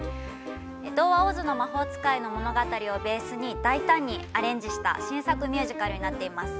童話「オズの魔法使い」の物語をベースに、大胆にアレンジした新作ミュージカルです。